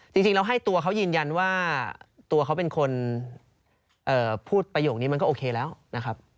จริงแล้วให้ตัวเขายืนยันว่าตัวเขาเป็นคนพูดประโยคนี้มันก็โอเคแล้วนะครับ